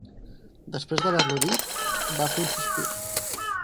Després d'haver-lo dit va fer un sospir